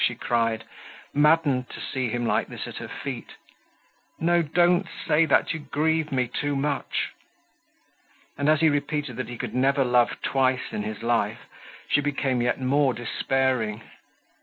she cried, maddened to see him like this at her feet. "No, don't say that; you grieve me too much." And as he repeated that he could never love twice in his life, she became yet more despairing.